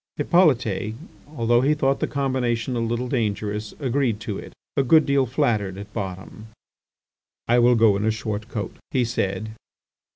Hippolyte, although he thought the combination a little dangerous, agreed to it, a good deal flattered, at bottom. "I will go in a short coat," he said.